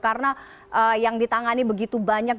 karena yang ditangani begitu banyak